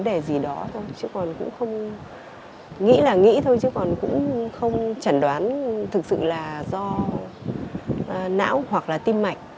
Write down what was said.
vì đâu nên lỗi